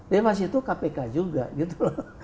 dewas itu kpk juga gitu loh